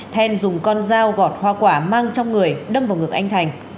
then dùng con dao gọt hoa quả mang trong người đâm vào ngực anh thành